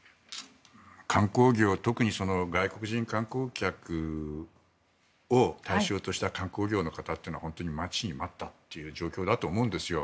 観光業は特に外国人観光客を対象とした観光業の方というのは本当に待ちに待ったという状況だと思うんです。